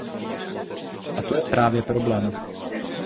A to je právě problém.